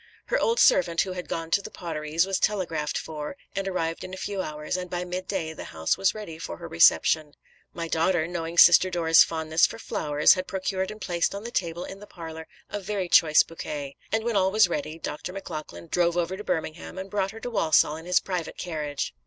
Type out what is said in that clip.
Her old servant who had gone to The Potteries, was telegraphed for, and arrived in a few hours, and by midday the house was ready for her reception. My daughter, knowing Sister Dora's fondness for flowers, had procured and placed on the table in the parlour a very choice bouquet; and when all was ready Dr. Maclachlan drove over to Birmingham, and brought her to Walsall in his private carriage.